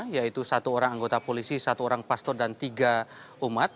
yaitu satu orang anggota polisi satu orang pastor dan tiga umat